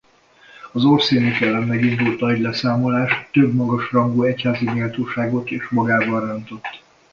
Az Orsinik ellen megindult nagy leszámolás több magas rangú egyházi méltóságot is magával rántott.